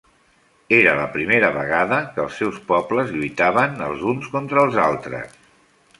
Era la primera vegada que els seus pobles lluitaven els uns contra els altres.